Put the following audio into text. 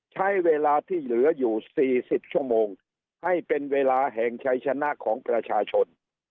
ใช้เวลาที่เหลืออยู่๔๐ชั่วโมงให้เป็นเวลาแห่งชัยชนะของประชาชน